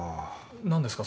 何ですか？